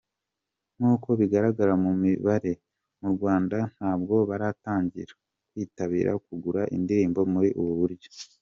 Nkuko bigaragara mu mibare, mu Rwanda ntabwo baratangira kwitabira kugura indirimbo muri ubu buryo.